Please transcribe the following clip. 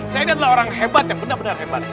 saya ini adalah orang hebat yang benar benar hebat